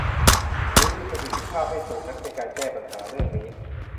หรือมีประสิทธิภาพไม่สูงนักในการแก้ปัญหาเรื่องนี้